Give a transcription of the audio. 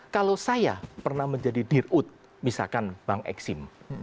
kalau saya pernah menjadi dirut misalkan bank eksim